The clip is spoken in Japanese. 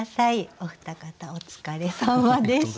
お二方お疲れさまでした。